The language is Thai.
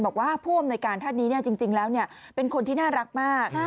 บอกว่าผู้อำนวยการท่านนี้จริงแล้วเป็นคนที่น่ารักมาก